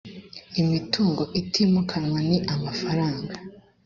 imitungo itimukanwa ni amafaranga